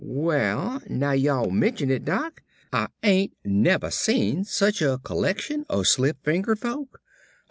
"Well now y'all mention it, Doc, Ah ain't nevah seen sich a collection o' slip fingered folk.